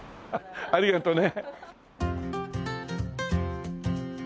ありがとね。